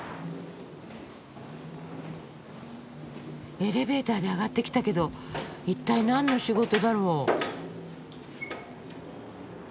エレベーターで上がってきたけど一体何の仕事だろう？